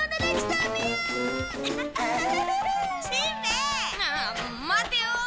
あっ待てよ！